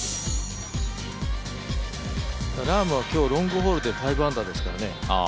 ラームは今日ロングで５アンダーですから。